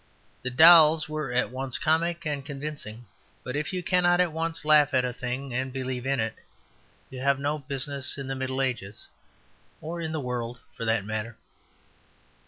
The dolls were at once comic and convincing; but if you cannot at once laugh at a thing and believe in it, you have no business in the Middle Ages. Or in the world, for that matter.